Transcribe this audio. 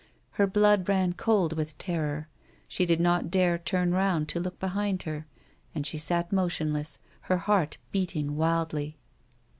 Her blood ran cold with terror ; she did not dare turn round to look behind her, and she sat motionless, her heart beating wildly.